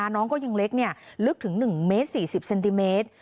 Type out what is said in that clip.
น้องก็ยังเล็กลึกถึง๑เมตร๔๐เซนติเมตร